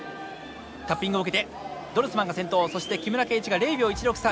タッピングを受けてドルスマンが先頭そして木村敬一が０秒１６差